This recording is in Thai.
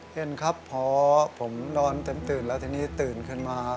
เห็นครับพอผมนอนเต็มตื่นแล้วทีนี้ตื่นขึ้นมา